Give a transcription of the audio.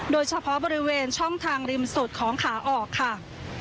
โดยเฉพาะบริเวณช่องทางริมสุดของขาออกค่ะ